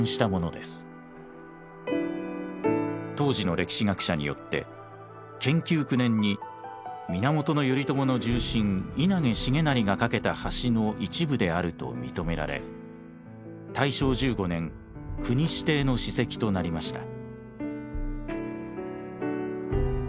当時の歴史学者によって建久９年に源頼朝の重臣稲毛重成が架けた橋の一部であると認められ大正１５年国指定の史跡となりました。